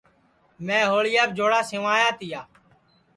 میں ہوݪیاپ جوڑا سیواں تیا